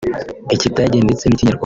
Ikidage ndetse n’Ikinyarwanda